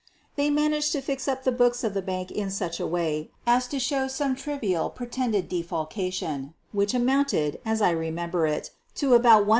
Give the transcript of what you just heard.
They managed to fix up the books of the bank 234 SOPHIE LYONS in such a way as to show some trivial pretended de falcation, which amounted, as I remember it, to about $1,100.